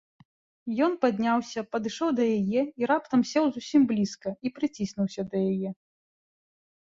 Ён падняўся, падышоў да яе і раптам сеў зусім блізка і прыціснуўся да яе.